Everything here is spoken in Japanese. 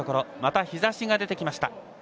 また日ざしが出てきました。